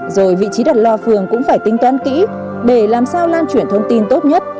rồi vị trí đặt loa phường cũng phải tính toán kỹ để làm sao lan chuyển thông tin tốt nhất